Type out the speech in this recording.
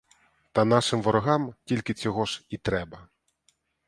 Та нашим ворогам тільки цього ж і треба.